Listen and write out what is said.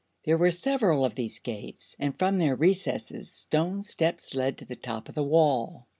There were several of these gates, and from their recesses stone steps led to the top of the wall.